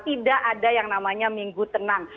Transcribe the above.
tidak ada yang namanya minggu tenang